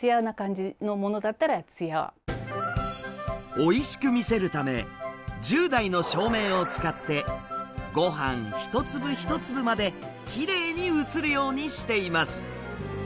おいしく見せるため１０台の照明を使ってごはん一粒一粒まできれいに映るようにしています。